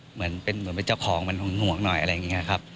เหมือนเป็นเจ้าของหงวงหน่อยอะไรอย่างนี้ครับ